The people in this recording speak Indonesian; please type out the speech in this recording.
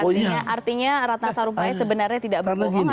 jadi artinya ratna sarupai sebenarnya tidak berbohong atau bagaimana